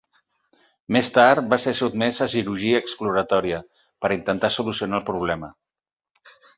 Més tard va ser sotmès a cirurgia exploratòria per intentar solucionar el problema.